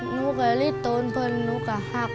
หนูก็รีดตัวหนูก็หัก